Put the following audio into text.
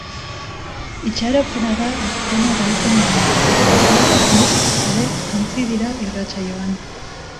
Itxaropena da azkena galtzen dena eta horregatik musikaz ere jantzi dira irratsaioan.